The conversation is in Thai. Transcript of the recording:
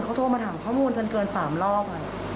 เขาโทรมาถามข้อมูลจนเกิน๓รอบ